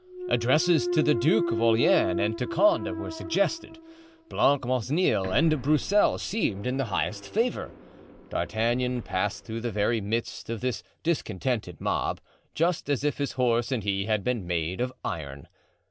Addresses to the Duke of Orleans and to Condé were suggested. Blancmesnil and Broussel seemed in the highest favor. D'Artagnan passed through the very midst of this discontented mob just as if his horse and he had been made of iron.